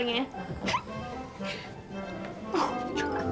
dan itu pun jalur